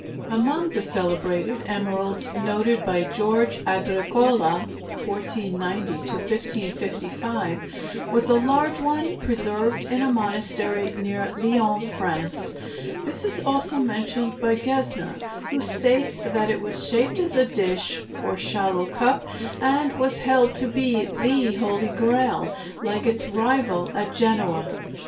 Among the celebrated emeralds noted by George Agricola (1490 1555) was a large one preserved in a monastery near Lyons, France. This is also mentioned by Gesner, who states that it was shaped as a dish, or shallow cup, and was held to be the Holy Grail, like its rival at Genoa.